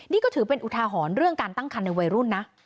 นี่ก็ถือเป็นอุทาหรณ์เรื่องการตั้งคันในวัยรุ่นนะ